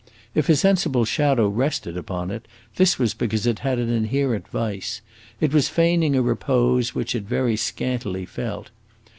If a sensible shadow rested upon it, this was because it had an inherent vice; it was feigning a repose which it very scantily felt.